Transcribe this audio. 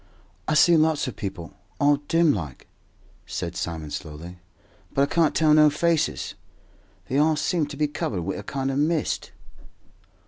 "I see lots of people, all dim like," said Simon, slowly; "but I can't tell no faces. They all seem to be covered wi' a kind o' mist."